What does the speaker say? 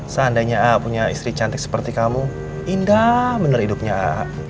seandainya ah punya istri cantik seperti kamu indah bener hidupnya ah